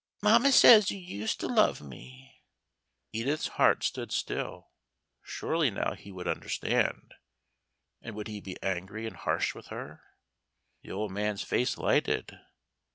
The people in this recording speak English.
Mamma says you used to love me." Edith's heart stood still. Surely now he would understand. And would he be angry and harsh with her? The old man's face lighted.